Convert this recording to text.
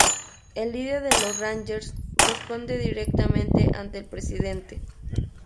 El líder de los rangers responde directamente ante el presidente.